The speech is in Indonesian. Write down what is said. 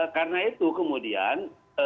karena itu kemudian